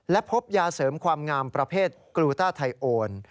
และพบยาเสริมความงามประเภทกรูต้าไทโอน